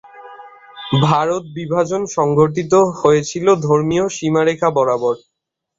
ভারত বিভাজন সংগঠিত হয়েছিল ধর্মীয় সীমারেখা বরাবর।